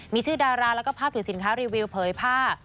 มีชื่อดาราแล้วก็ภาพถือสินค้ารีวิวเผยผ้า